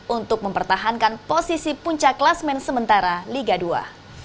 untuk mempertahankan posisi puncak klasmen sementara liga dua